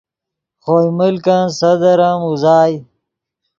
خوئے ملکن صدر ام اوزائے